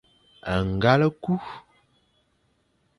Ngal e ku.